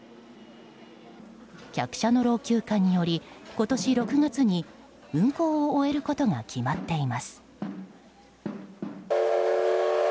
客車の老朽化により、今年６月に運行を終えることが決まっています。